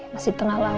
masih di tengah laut